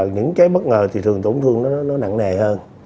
những cái bất ngờ thì thường tổn thương nó nặng nề hơn